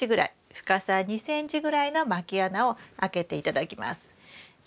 深さ２ｃｍぐらいのまき穴を開けて頂きます。